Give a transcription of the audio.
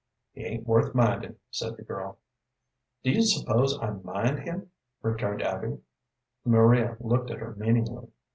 "He ain't worth minding," said the girl. "Do you suppose I do mind him?" returned Abby. Maria looked at her meaningly.